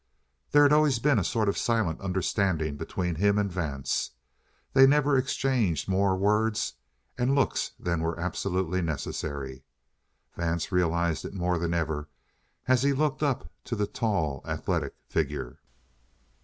There had always been a sort of silent understanding between him and Vance. They never exchanged more words and looks than were absolutely necessary. Vance realized it more than ever as he looked up to the tall athletic figure.